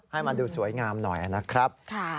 ให้มันดูสวยงามหน่อยนะครับ